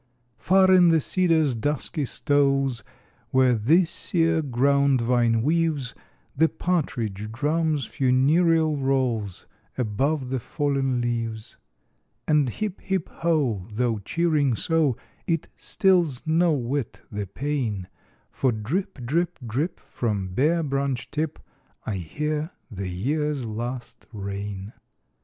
Far in the cedars' dusky stoles, Where the sere ground vine weaves, The partridge drums funereal rolls Above the fallen leaves. And hip, hip, ho! though cheering so, It stills no whit the pain; For drip, drip, drip, from bare branch tip, I hear the year's last rain.